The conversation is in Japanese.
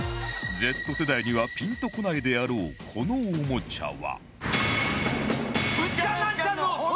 Ｚ 世代にはピンとこないであろうこのおもちゃは